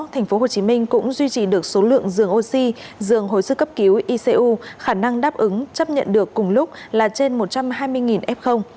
thành phố hồ chí minh cũng duy trì được số lượng dường oxy dường hồi sức cấp cứu icu khả năng đáp ứng chấp nhận được cùng lúc là trên một trăm hai mươi f